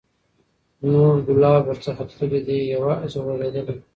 نور ګلاب ورڅخه تللي، دی یوازي غوړېدلی